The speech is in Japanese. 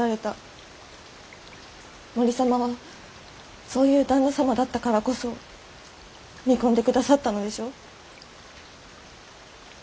森様はそういう旦那様だったからこそ見込んでくださったのでしょう？